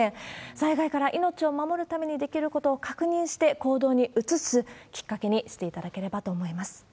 災害から命を守るためにできることを確認して、行動に移すきっかけにしていただければと思います。